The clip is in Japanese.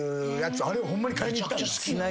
あれホンマに買いに行ったんだ？